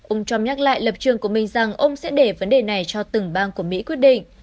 ông trump nhắc lại lập trường của mình rằng ông sẽ để vấn đề này cho từng bang của mỹ quyết định